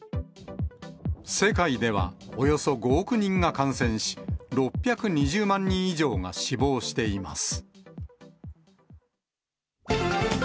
世界では、およそ５億人が感染し、６２０万人以上が死亡しています。